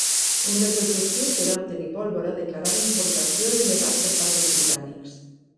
Un dels objectius era obtenir pólvora, declarada importació il·legal per part dels britànics.